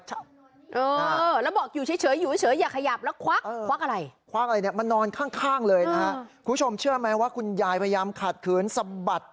เราก็บอกอยู่เฉยอย่าขยับ